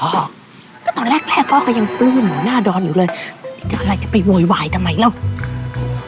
ก็ตอนแรกพ่อก็ยังปื้นหนูหน้าดอดอยู่เลยจ๊ะอะไรจะไปววยวายกว่ายแล้ว